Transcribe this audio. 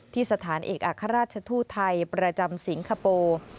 สถานเอกอัครราชทูตไทยประจำสิงคโปร์